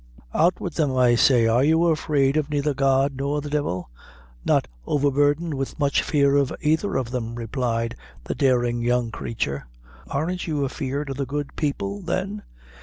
"Out wid them, I say, Are you afeard of neither God nor the divil?" "Not overburdened with much fear of either o' them," replied the daring young creature. "Aren't you afeard o' the good people, then?"